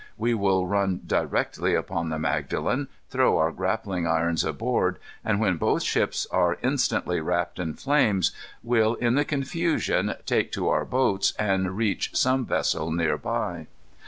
We will run directly upon the Magdalen, throw our grappling irons aboard, and, when both ships are instantly wrapped in flames, will, in the confusion, take to our boats, and reach some vessel near by."